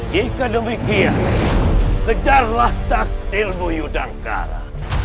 jika demikian kejarlah takdirmu yudangkara